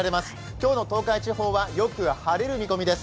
今日の東海地方はよく晴れる見込みです。